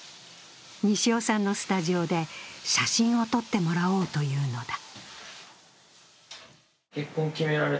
西尾さんのスタジオで写真を撮ってもらおうというのだ。